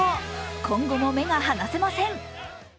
今後も目が離せません。